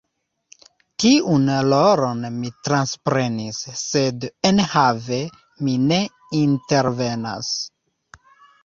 Tiun rolon mi transprenis, sed enhave mi ne intervenas.